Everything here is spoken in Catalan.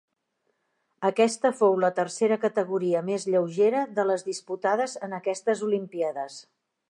Aquesta fou la tercera categoria més lleugera de les disputades en aquestes olimpíades.